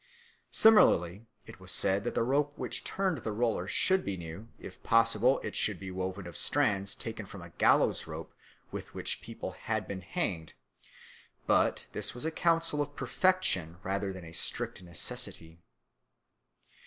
Similarly it was said that the rope which turned the roller should be new; if possible it should be woven of strands taken from a gallows rope with which people had been hanged, but this was a counsel of perfection rather than a strict necessity.